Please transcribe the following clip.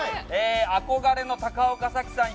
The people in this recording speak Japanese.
憧れの高岡早紀さん